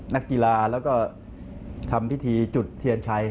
นักกีฬาแล้วก็ทำพิธีจุดเทียนชัย